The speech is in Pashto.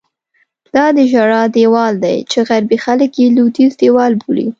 دا د ژړا دیوال دی چې غربي خلک یې لوېدیځ دیوال بولي.